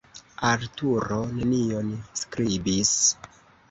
Arturo nenion skribis.